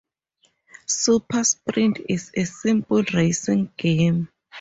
"Super Sprint" is a simple racing game.